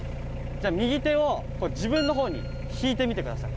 じゃあ右手を自分の方に引いてみて下さい。